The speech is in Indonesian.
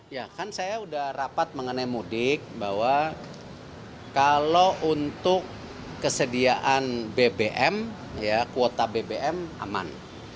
ya kan saya sudah rapat mengenai mudik bahwa kalau untuk kesediaan bbm kuota bbm aman